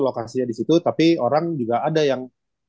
lokasinya di situ tapi orang juga ada yang